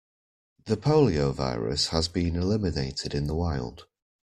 The poliovirus has been eliminated in the wild.